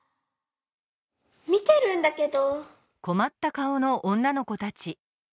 みてるんだけど。